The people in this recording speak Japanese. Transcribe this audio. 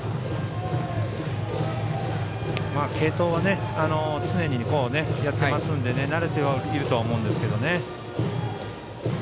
継投は常にやっていますので慣れているとは思うんですけどね。